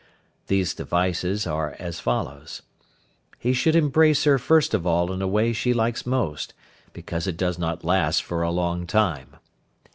These devices are as follows: He should embrace her first of all in a way she likes most, because it does not last for a long time.